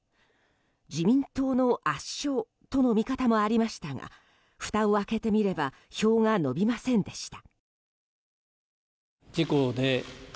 自民党の圧勝との見方もありましたがふたを開けてみれば票が伸びませんでした。